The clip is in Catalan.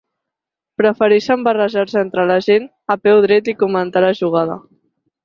Prefereixen barrejar-se entre la gent, a peu dret, i comentar la jugada.